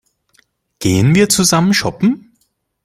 Gehen wir zusammen shoppen?